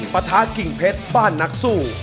ปะทะกิ่งเพชรบ้านนักสู้